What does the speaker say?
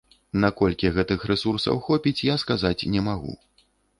Наколькі гэтых рэсурсаў хопіць, я сказаць не магу.